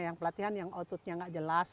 yang pelatihan yang oututnya gak jelas